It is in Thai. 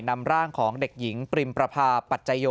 นำร่างของเด็กหญิงปริมประพาปัจจัยโย